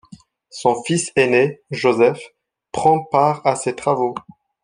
Son fils aîné, Joseph, prend part à ses travaux.